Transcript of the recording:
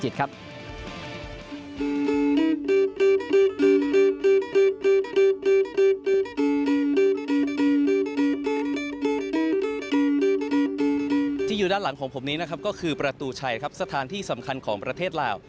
ที่อยู่ด้านหลังของผมนี้นะครับก็คือประตูชัยครับสถานที่สำคัญของประเทศลาว